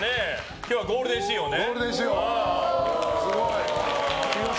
今日はゴールデン仕様ね。